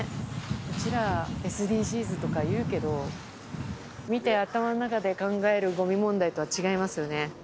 うちら、ＳＤＧｓとかいうけど、見て、頭の中で考えるごみ問題とは違いますよね。